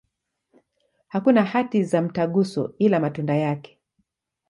Hakuna hati za mtaguso, ila matunda yake.